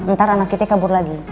ntar anak kita kabur lagi